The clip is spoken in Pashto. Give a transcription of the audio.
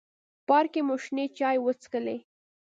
پارک کې مو شنې چای وڅښلې.